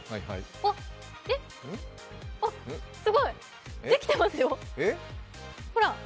あっ、えっ、すごい、できてますよ。